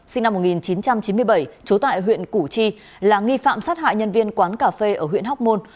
sinh năm một nghìn chín trăm chín mươi bảy trú tại huyện củ chi là nghi phạm sát hại nhân viên quán cà phê ở huyện hóc môn